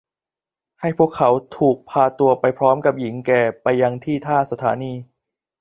ให้พวกเขาถูกพาตัวไปพร้อมกับหญิงแก่ไปยังที่ท่าสถานี